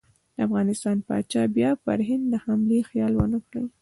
د افغانستان پاچا بیا پر هند د حملې خیال ونه کړي.